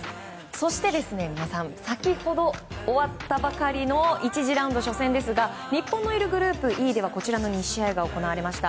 そして皆さん先ほど終わったばかりの１次ラウンド初戦ですが日本のいるグループＥではこちらの２試合が行われました。